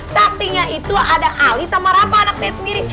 saksinya itu ada ali sama rafa anak saya sendiri